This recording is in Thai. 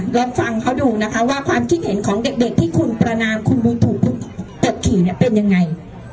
ลองฟังเขาดูนะคะว่าความคิดเห็นของเด็กที่คุณประนามคุณบุญถูกคุณกดขี่เนี่ยเป็นยังไง